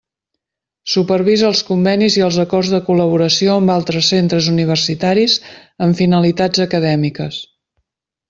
Supervisa els convenis i els acords de col·laboració amb altres centres universitaris amb finalitats acadèmiques.